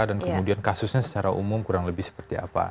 dan kemudian kasusnya secara umum kurang lebih seperti apa